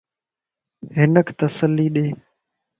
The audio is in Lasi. ھنک تسلي ڏي